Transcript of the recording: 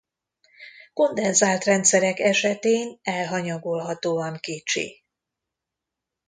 Kondenzált rendszerek esetén elhanyagolhatóan kicsi.